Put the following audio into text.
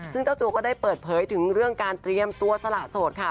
ซึ่งเจ้าตัวก็ได้เปิดเผยถึงเรื่องการเตรียมตัวสละโสดค่ะ